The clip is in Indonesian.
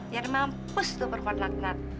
ya mampus tuh perponat